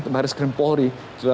di tum baris krim polri